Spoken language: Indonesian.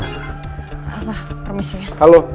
pak permisi ya